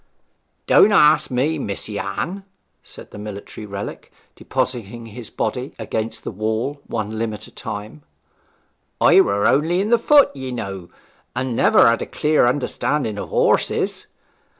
'Don't ask me, Mis'ess Anne,' said the military relic, depositing his body against the wall one limb at a time. 'I were only in the foot, ye know, and never had a clear understanding of horses.